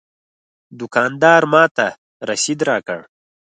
دوکاندار ماته رسید راکړ.